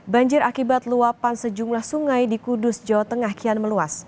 banjir akibat luapan sejumlah sungai di kudus jawa tengah kian meluas